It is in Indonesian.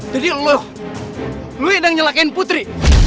jadi lu lu hidden nyenyelakkan putri